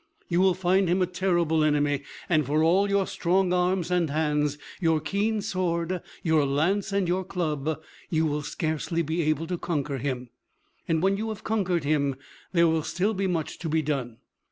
You will find him a terrible enemy, and, for all your strong arms and hands, your keen sword, your lance and your club, you will scarcely be able to conquer him; and when you have conquered him, there will still be much to be done.